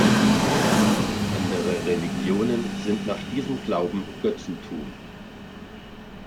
Andere Religionen sind nach diesem Glauben Götzentum.